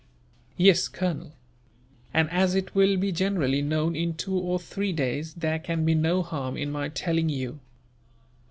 "Yes, Colonel; and as it will be generally known in two or three days, there can be no harm in my telling you.